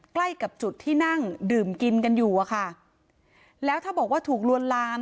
ใกล้กับจุดที่นั่งดื่มกินกันอยู่อะค่ะแล้วถ้าบอกว่าถูกลวนลาม